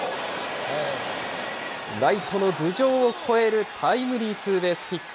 ライトの頭上を越えるタイムリーツーベースヒット。